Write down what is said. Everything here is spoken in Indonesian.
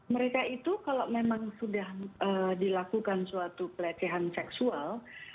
mereka itu kalau memang sudah dilakukan suatu pelecehan seksual